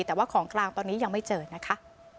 แต่ว่าของกลางตอนนี้ยังไม่เจอนะคะ